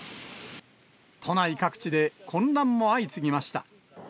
都内各地で混乱も相次ぎました。